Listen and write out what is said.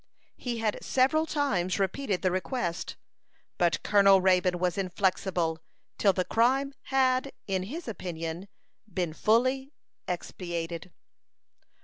He had several times repeated the request; but Colonel Raybone was inflexible till the crime had, in his opinion, been fully expiated.